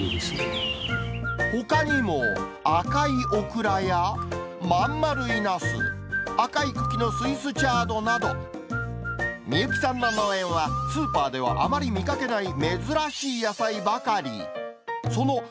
ほかにも、赤いオクラや、まん丸いナス、赤い茎のスイスチャードなど、美幸さんの農園は、スーパーではあまり見かけない珍しい野菜ばかり。